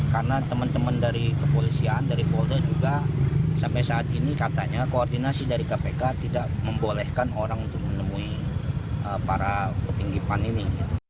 karena teman teman dari kepolisian dari mapolda juga sampai saat ini katanya koordinasi dari kpk tidak membolehkan orang untuk menemui para petinggi pan ini